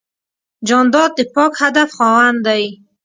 جانداد د پاک هدف خاوند دی.